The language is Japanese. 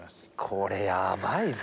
これヤバいぞ。